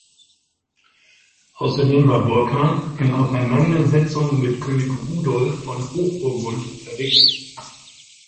Außerdem war Burkhard in Auseinandersetzungen mit König Rudolf von Hochburgund verwickelt.